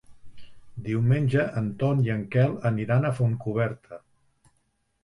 Diumenge en Ton i en Quel aniran a Fontcoberta.